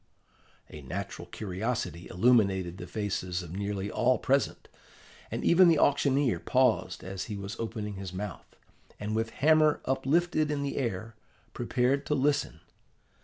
A natural curiosity illuminated the faces of nearly all present; and even the auctioneer paused as he was opening his mouth, and with hammer uplifted in the air, prepared to listen.